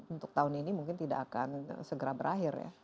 untuk tahun ini mungkin tidak akan segera berakhir ya